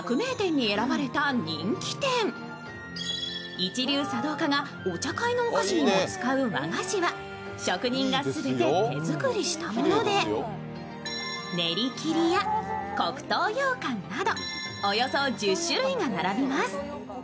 一流茶道家がお茶会のお菓子にも使う和菓子は職人が全て手作りしたもので練切や、黒糖ようかんなどおよそ１０種類が並びます。